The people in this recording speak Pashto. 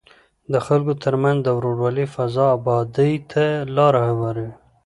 د خلکو ترمنځ د ورورولۍ فضا ابادۍ ته لاره هواروي.